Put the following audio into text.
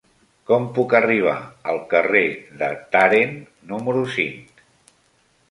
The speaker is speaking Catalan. Com puc arribar al carrer de Tàrent número cinc?